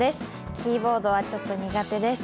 キーボードはちょっと苦手です。